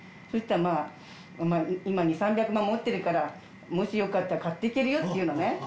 そしたら「今２００３００万持ってるからもしよかったら買っていけるよ」って言うのね。